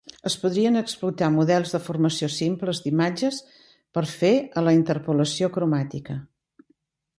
Es podrien explotar models de formació simples d'imatges per fer a la interpolació cromàtica.